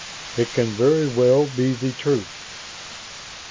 It can very well be the truth."